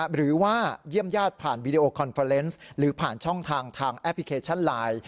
หรือว่าเยี่ยมญาติผ่านวีดีโอคอนเฟอร์เนส์หรือผ่านช่องทางทางแอปพลิเคชันไลน์